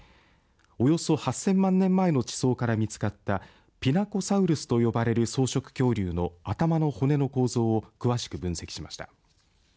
およそ８０００万年前の地層から見つかったピナコサウルスと呼ばれる草食恐竜の頭の骨の構造を詳しく分析しました。